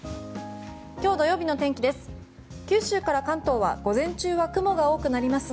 今日、土曜日の天気です。